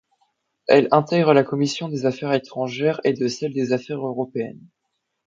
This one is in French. Elle intègre la commission des Affaires étrangères et de celle des Affaires européennes.